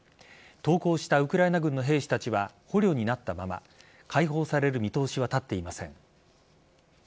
投降したウクライナ軍の兵士たちは捕虜になったまま解放される見通しは立っていません。